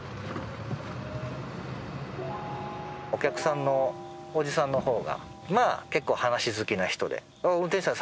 お客さんのおじさんの方が結構話好きな人で運転手さん